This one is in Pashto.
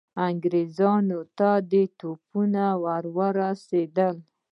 انګرېزانو ته دا رپوټونه ورسېدل.